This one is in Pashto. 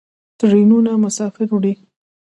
ټرینونه مسافر وړي.